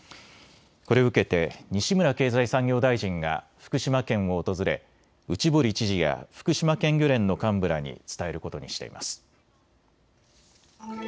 これを受けて西村経済産業大臣が福島県を訪れ内堀知事や福島県漁連の幹部らに伝えることにしています。